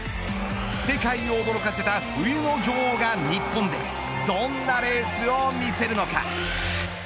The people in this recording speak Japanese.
世界を驚かせた冬の女王が、日本でどんなレースを見せるのか。